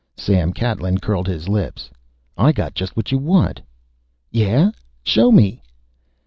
Sam Catlin curled his lips. "I got just what you want." "Yeah? Show me."